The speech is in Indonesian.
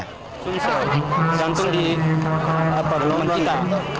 tidak ikut gelombang kita